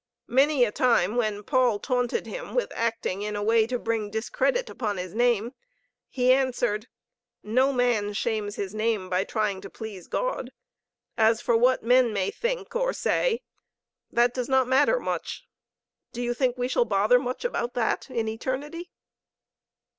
Many a time, when Paul taunted him with acting in a way to bring discredit upon his name, he answered: "No man shames his name by trying to please God. As for what men may think or say, that does not matter much. Do you think we shall bother much about that in eternity?"